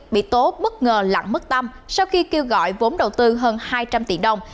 bị tố bất ngờ lặn mất tâm sau khi kêu gọi vốn đầu tư hơn hai trăm linh tỷ đồng